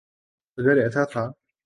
اگر ایسا تھا۔